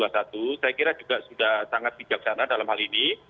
saya kira juga sudah sangat bijaksana dalam hal ini